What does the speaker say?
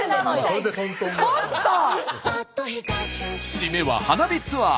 シメは花火ツアー。